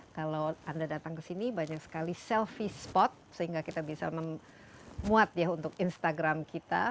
kalau anda datang ke sini banyak sekali selfie spot sehingga kita bisa memuat ya untuk instagram kita